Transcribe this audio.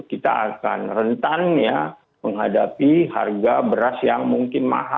mereka ini yang menurut kita akan rentannya menghadapi harga beras yang mungkin mahal